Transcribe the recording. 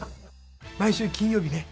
毎週、金曜日ね